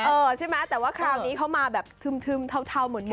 เออใช่ไหมแต่ว่าคราวนี้เขามาแบบทึ่มเทาหมด